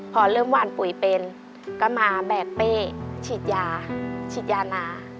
พอเริ่มหวานปุ๋ยเป็นก็มาแบกเป้ฉีดยาฉีดยานา